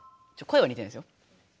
声は似てないですよ。